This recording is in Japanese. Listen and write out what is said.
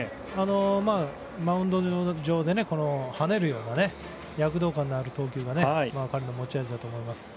マウンド上で跳ねるような躍動感ある投球が彼の持ち味だと思います。